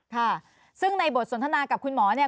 ค่ะซึ่งในบทสนทนากับคุณหมอเนี่ย